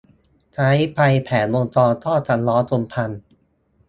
ใช้ไปแผงวงจรก็จะร้อนจนพัง